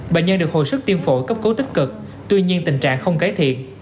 bệnh nhân được hồi sức tiêm phổi cấp cứu tích cực tuy nhiên tình trạng không cải thiện